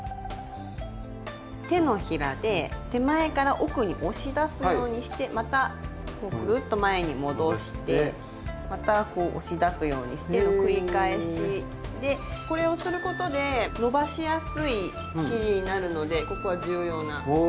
手のひらで手前から奥に押し出すようにしてまたこうぐるっと前に戻してまたこう押し出すようにしての繰り返しでこれをすることでのばしやすい生地になるのでここは重要なポイントです。